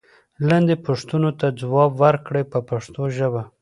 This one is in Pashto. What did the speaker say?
لاندې پوښتنو ته ځواب ورکړئ په پښتو ژبه.